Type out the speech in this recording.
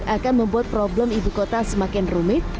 akan membuat problem ibu kota semakin rumit